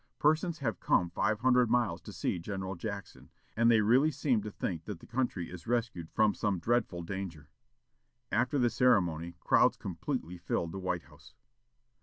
Persons have come five hundred miles to see General Jackson, and they really seem to think that the country is rescued from some dreadful danger." After the ceremony, crowds completely filled the White House.